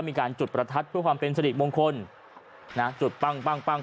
มีการจุดประทัดเพื่อความเป็นสริมงคลนะจุดปั้งปั้งปั้ง